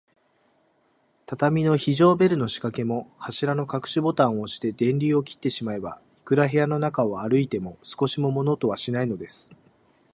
畳の非常ベルのしかけも、柱のかくしボタンをおして、電流を切ってしまえば、いくら部屋の中を歩いても、少しも物音はしないのです。